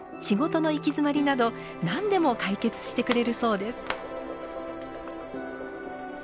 仕事の行き詰まりなど何でも解決してくれるそうです。